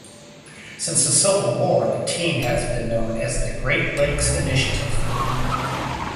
Since the Civil War, the team has been known as the Great Lakes Initiative.